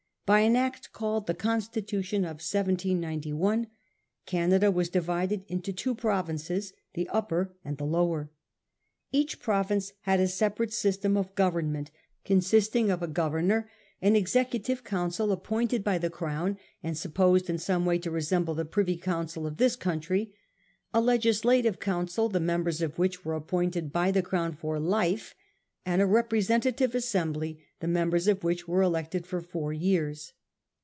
By an Act called the Con stitution of 1791, Canada was divided into two pro vinces, the Upper and the Lower. Each province had a separate system of government, consisting of a governor, an executive council appointed by the Crown, and supposed in some way to resemble the Privy Council of this country ; a legislative council, the members of which were appointed by the Crown for life ; and a representative assembly, the members of which were elected for four years.